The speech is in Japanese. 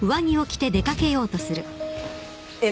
えっ？